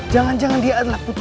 jangan jangan dia adalah putri